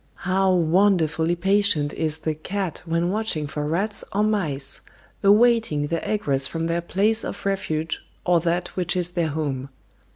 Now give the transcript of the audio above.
How wonderfully patient is the cat when watching for rats or mice, awaiting their egress from their place of refuge or that which is their home!